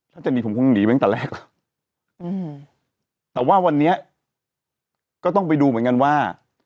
ถ้าจะหนีผมคงหนีไปตั้งแต่แรกแล้วอืมแต่ว่าวันนี้ก็ต้องไปดูเหมือนกันว่า